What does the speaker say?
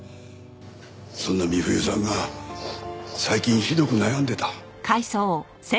そんな美冬さんが最近ひどく悩んでた。